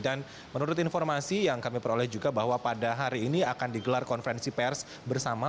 dan menurut informasi yang kami peroleh juga bahwa pada hari ini akan digelar konferensi pers bersama